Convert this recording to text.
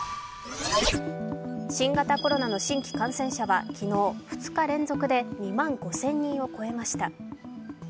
新型コロナの新規感染者は昨日２日連続で２万５０００人を超えました。